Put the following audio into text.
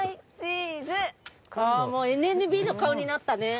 ああもうＮＭＢの顔になったね。